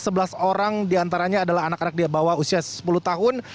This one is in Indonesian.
ada sebelas orang diantaranya adalah anak anak dia bawa usia sepuluh tahun